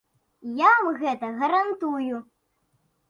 Я вам гэта гарантую.